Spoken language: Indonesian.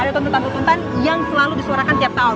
ada tuntutan tuntutan yang selalu disuarakan tiap tahun